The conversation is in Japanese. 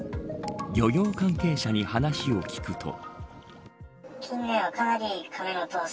漁業関係者に話を聞くと。